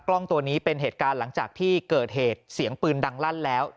กล้องตัวนี้เป็นเหตุการณ์หลังจากที่เกิดเหตุเสียงปืนดังลั่นแล้ว